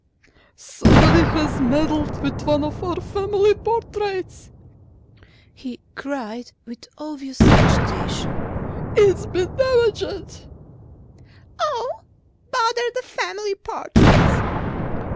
"Somebody has meddled with one of our family portraits," he cried with obvious agitation. "It's been damaged...." "Oh, bother the family portraits!"